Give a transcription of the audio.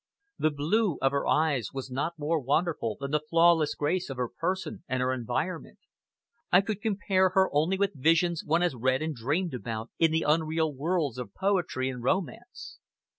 The blue of her eyes was not more wonderful than the flawless grace of her person and her environment. I could compare her only with visions one has read and dreamed about in the unreal worlds of poetry and romance.